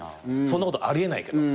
そんなことあり得ないけど。